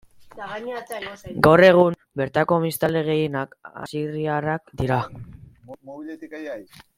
Gaur egun, bertako biztanle gehienak, asiriarrak dira.